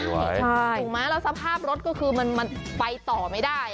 สภาพรถพ่ำก็คือไปต่อไม่ได้